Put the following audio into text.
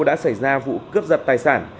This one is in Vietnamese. đã xảy ra vụ cướp dập tài sản